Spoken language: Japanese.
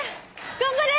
頑張れ！